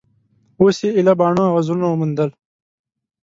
اوس یې ایله باڼه او وزرونه وموندل